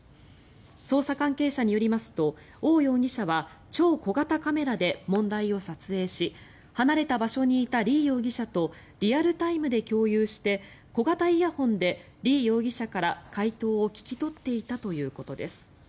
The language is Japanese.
捜査関係者によりますとオウ容疑者は超小型カメラで問題を撮影し離れた場所にいたリ容疑者とリアルタイムで共有して小型イヤホンでリ容疑者から解答を聞き取っていたということです。